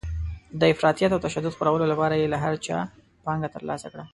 د افراطیت او تشدد خپرولو لپاره یې له هر چا پانګه ترلاسه کړه.